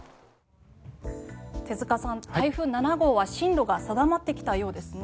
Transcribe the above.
手塚さん、台風７号は進路が定まってきたようですね。